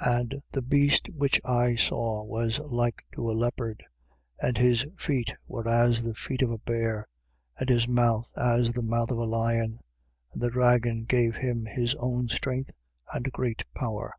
And the beast which I saw was like to a leopard: and his feet were as the feet of a bear, and his mouth as the mouth of a lion. And the dragon gave him his own strength and great power.